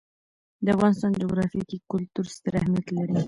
د افغانستان جغرافیه کې کلتور ستر اهمیت لري.